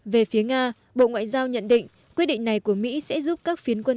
về phía nga bộ ngoại giao nhận định quyết định này của mỹ sẽ giúp các phiến quân